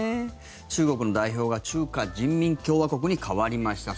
中国の代表が中華人民共和国に代わりました。